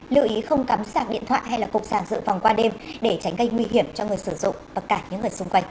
lưu ý không cắm sạc điện thoại hay cục sàng sự phòng qua đêm để tránh gây nguy hiểm cho người sử dụng